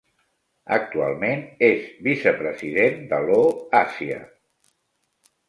Actualment és vicepresident de Law Asia.